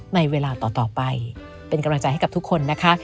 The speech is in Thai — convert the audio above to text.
ในเวลาต่อไปเป็นกำลังใจให้กับทุกคนนะคะ